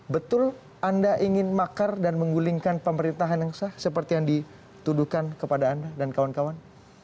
betul anda ingin makar dan menggulingkan pemerintahan yang sah seperti yang dituduhkan kepada anda dan kawan kawan